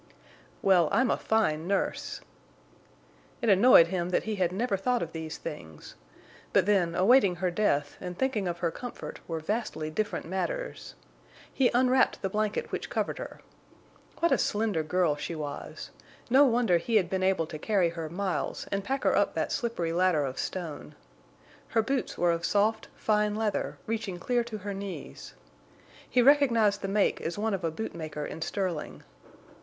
"Well, I'm a fine nurse!" It annoyed him that he had never thought of these things. But then, awaiting her death and thinking of her comfort were vastly different matters. He unwrapped the blanket which covered her. What a slender girl she was! No wonder he had been able to carry her miles and pack her up that slippery ladder of stone. Her boots were of soft, fine leather, reaching clear to her knees. He recognized the make as one of a boot maker in Sterling.